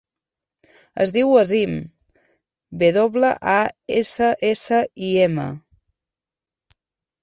Es diu Wassim: ve doble, a, essa, essa, i, ema.